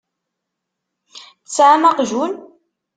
Tesɛam aqjun?